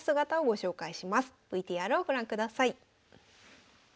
ＶＴＲをご覧ください。